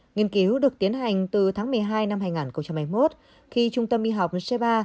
nghiên cứu được tiến hành từ tháng một mươi hai năm hai nghìn hai mươi một khi trung tâm y học ceba